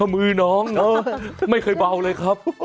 มือน้องไม่เคยเบาเลยครับ